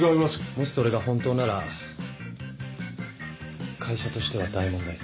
もしそれが本当なら会社としては大問題です。